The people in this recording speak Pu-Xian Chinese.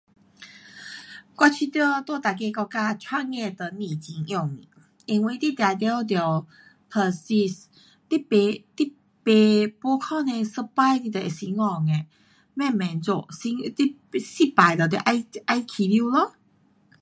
我觉得在每个国家创业都不很容易。因为你定得得 persist，你不，你不，没可能一次你就会成功的，慢慢做，你失败定得再开始咯。